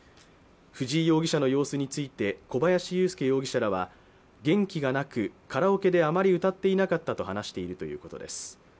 藤井容疑者の様子について小林優介容疑者らは元気がなく、カラオケであまり歌っていなかったと話しているということです。